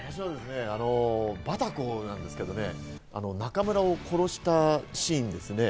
バタコなんですけどね、中村を殺したシーンですね。